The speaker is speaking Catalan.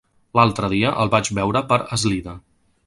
L'altre dia el vaig veure per Eslida.